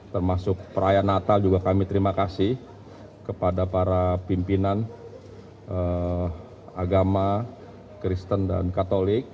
termasuk perayaan natal juga kami terima kasih kepada para pimpinan agama kristen dan katolik